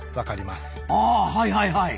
ああはいはいはい。